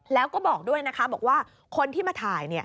แล้วก็บอกด้วยนะคะบอกว่าคนที่มาถ่าย